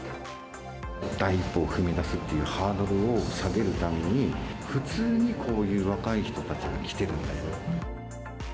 第一歩を踏み出すっていうハードルを下げるために、普通にこういう若い人たちが来ているんだよと。